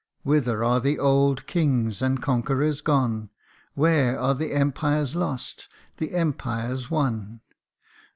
Whither are the old kings and conquerors gone ? Where are the empires lost the empires won